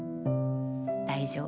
大丈夫。